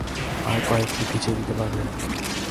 আর কয়েকটা ভিজিয়ে দিতে পারবে?